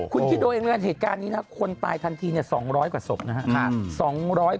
คุณคิดโดยเหตุการณ์นี้นะคนตายทันที๒๐๐กว่าศพนะครับ